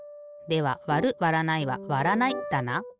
ではわるわらないはわらないだな。